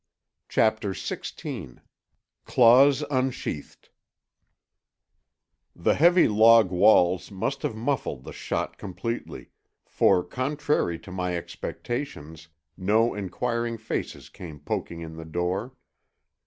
CHAPTER XVI—CLAWS UNSHEATHED The heavy log walls must have muffled the shot completely, for, contrary to my expectations, no inquiring faces came poking in the door.